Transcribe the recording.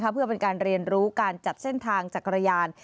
เพื่อเป็นการเรียนรู้การจัดเส้นทางจักรยาน